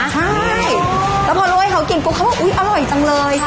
ใช่แล้วพอลูกให้เขากินปุ๊บเขาบอกอุ๊ยอร่อยจังเลย